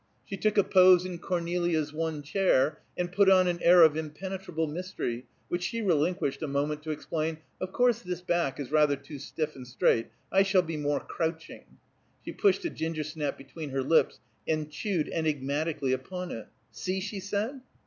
She took a pose in Cornelia's one chair, and put on an air of impenetrable mystery, which she relinquished a moment to explain, "Of course this back is rather too stiff and straight; I shall be more crouching." She pushed a ginger snap between her lips, and chewed enigmatically upon it. "See?" she said.